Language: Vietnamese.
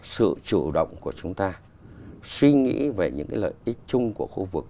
sự chủ động của chúng ta suy nghĩ về những cái lợi ích chung của khu vực